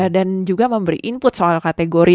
dan juga memberi input soal kategori